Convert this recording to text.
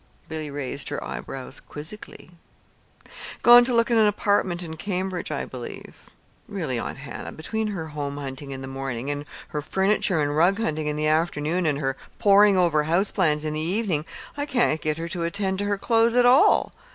Billy raised her eyebrows quizzically. "Gone to look at an apartment in Cambridge, I believe. Really, Aunt Hannah, between her home hunting in the morning, and her furniture and rug hunting in the afternoon, and her poring over house plans in the evening, I can't get her to attend to her clothes at all.